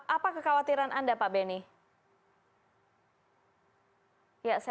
apa kekhawatiran anda pak benny